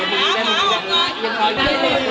ดูแม่ดูแม่ก่อน